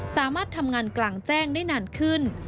สามารถทำงานกลางแจ้งได้นานขึ้น